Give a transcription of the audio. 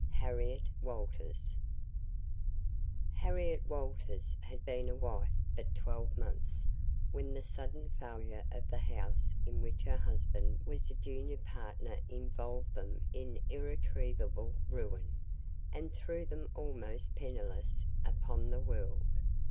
HARRIETTE WALTERS Harriette Walters had been a wife but twelve months, when the sudden failure of the house in which her husband was a junior partner involved them in irretrievable ruin, and threw them almost penniless upon the world.